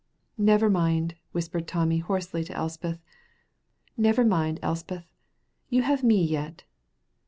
"Never mind," whispered Tommy hoarsely to Elspeth. "Never mind, Elspeth, you have me yet."